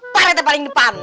pak rete paling depan